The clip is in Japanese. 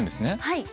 はい。